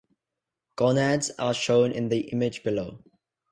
Gonads are shown in the image below.